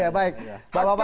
terima kasih ben